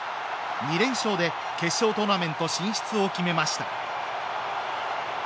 ２連勝で決勝トーナメント進出を決めました。